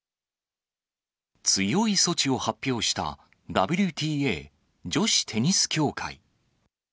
強い措置を発表したＷＴＡ・女子テニス協会。